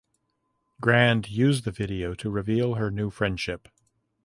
Grande used the video to reveal her new relationship.